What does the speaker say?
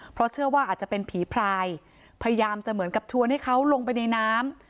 เพราะเชื่อว่าอาจจะเป็นผีพรายพยายามจะเหมือนกับชวนให้เขาลงไปในน้ำ